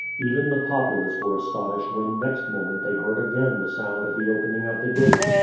Even the populace were aston ished when next moment they heard again the sound of the opening of the gates.